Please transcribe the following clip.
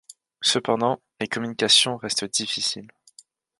Cependant, les communications restent difficiles.